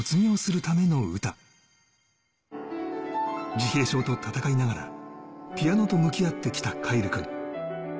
自閉症と闘いながらピアノと向き合ってきた凱成君。